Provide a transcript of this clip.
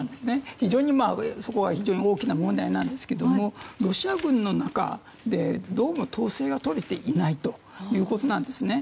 非常にそこは大きな問題なんですけどもロシア軍の中でどうも統制が取れていないということなんですね。